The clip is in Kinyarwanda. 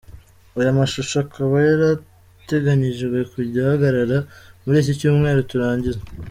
Aya mashusho akaba yari ateganyijwe kujya ahagaragara muri iki cyumweru turangiza.